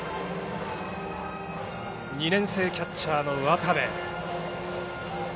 ２年生キャッチャーの渡部。